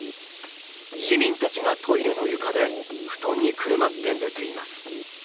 市民たちがトイレの床で布団にくるまって寝ています。